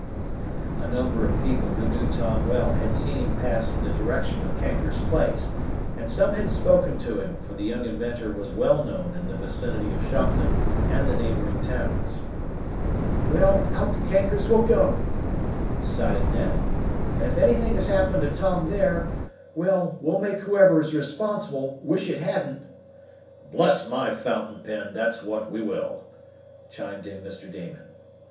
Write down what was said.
A number of people who knew Tom well had seen him pass in the direction of Kanker's place, and some had spoken to him, for the young inventor was well known in the vicinity of Shopton and the neighboring towns. "Well, out to Kanker's we'll go!" decided Ned. "And if anything has happened to Tom there well, we'll make whoever is responsible wish it hadn't!" "Bless my fountain pen, but that's what we will!" chimed in Mr. Damon.